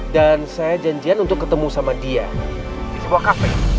dan saya janjian untuk ketemu sama dia di sebuah cafe